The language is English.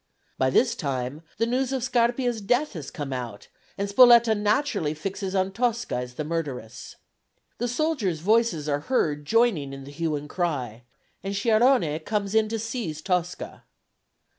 By this time the news of Scarpia's death has come out, and Spoletta naturally fixes on Tosca as the murderess. The soldiers' voices are heard joining in the hue and cry, and Sciarrone comes in to seize Tosca.